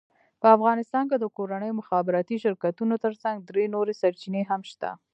په افغانستان کې د کورنیو مخابراتي شرکتونو ترڅنګ درې نورې سرچینې هم شته،